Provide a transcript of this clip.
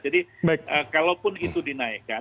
jadi kalaupun itu dinaikkan